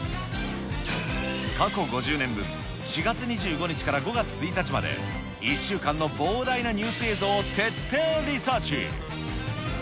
過去５０年分、４月２５日から５月１日まで、１週間の膨大なニュース映像を徹底リサーチ。